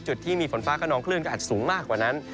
จุดที่มีฝนฟ้าขนองคลื่นก็อาจสูงมากกว่านั้น